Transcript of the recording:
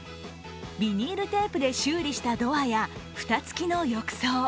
ビニールテープで修理したドアや、蓋付きの浴槽。